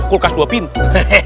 kulkas dua pintu